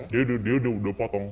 dia udah potong